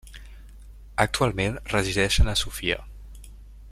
Actualment resideixen a Sofia.